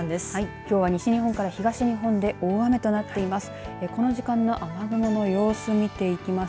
きょうは西日本から東日本で大雨となっています。